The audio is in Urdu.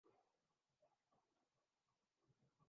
جو پابند سلاسل ہیں۔